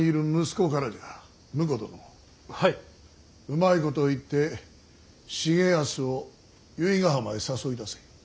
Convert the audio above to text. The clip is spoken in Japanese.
うまいことを言って重保を由比ヶ浜へ誘い出せ。